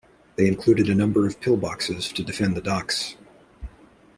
They included a number of pillboxes to defend the docks.